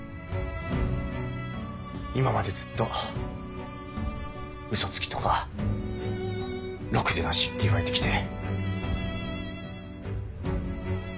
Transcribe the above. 今までずっとウソつきとかろくでなしって言われてきて。